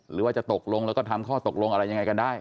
หรือว่าจะตกลงแล้วก็ทำข้อตกลงอะไรยังไงกันได้